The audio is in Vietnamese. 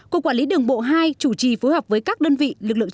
cục quản lý đường bộ hai chủ trì phối hợp với các đơn vị